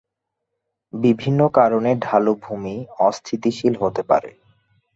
বিভিন্ন কারণে ঢালু ভূমি অস্থিতিশীল হতে পারে।